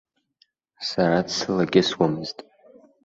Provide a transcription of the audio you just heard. Сара дсылакьысуамызт.